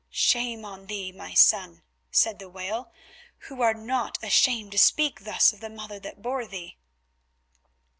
"Shame on thee, my son," said the wail, "who art not ashamed to speak thus of the mother that bore thee."